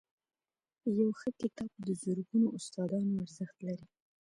• یو ښه کتاب د زرګونو استادانو ارزښت لري.